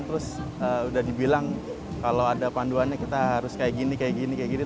terus udah dibilang kalau ada panduannya kita harus kayak gini kayak gini kayak gini